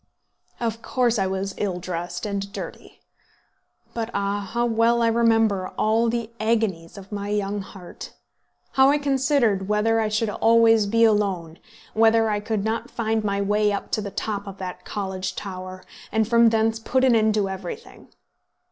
Of course I was ill dressed and dirty. But, ah! how well I remember all the agonies of my young heart; how I considered whether I should always be alone; whether I could not find my way up to the top of that college tower, and from thence put an end to everything?